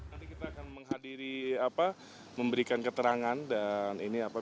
nanti kita akan menghadiri apa memberikan keterangan dan ini apa